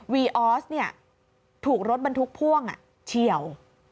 ออสถูกรถบรรทุกพ่วงเฉียว